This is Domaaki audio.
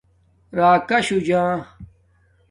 راکا شُو جا